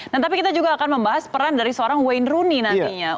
nah tapi kita juga akan membahas peran dari seorang wayne rooney nantinya